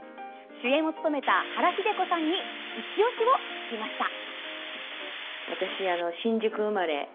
主演を務めた原日出子さんにいちオシを聞きました。